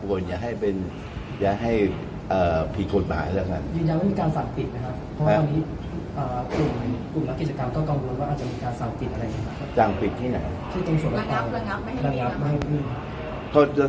เพราะจอสบานให้ไกลแล้วก็ไม่ให้ไม่ให้ใครเอาสั่งมีต่อคุณก็ถาม